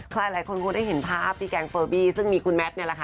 หลายคนคงได้เห็นภาพที่แก๊งเฟอร์บี้ซึ่งมีคุณแมทเนี่ยแหละค่ะ